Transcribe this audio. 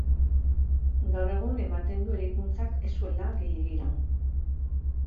Gaur egun ematen du eraikuntzak ez zuela gehiegi iraun.